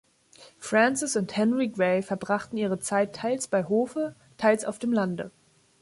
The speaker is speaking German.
Frances und Henry Grey verbrachten ihre Zeit teils bei Hofe, teils auf dem Lande.